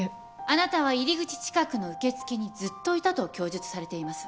あなたは入り口近くの受付にずっといたと供述されています。